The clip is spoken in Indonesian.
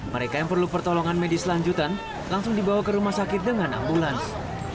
mereka yang perlu pertolongan medis lanjutan langsung dibawa ke rumah sakit dengan ambulans